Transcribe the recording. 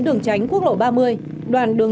đường tránh quốc lộ ba mươi đoàn đường